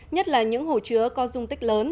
nhất là những hồ chứa có dung tích lớn